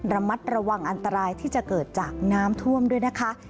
ระมัดระวังอันตรายที่จะเกิดจากน้ำท่วมด้วยนะคะ